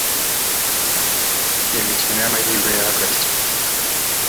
imikino y amahirwe yahagaratswe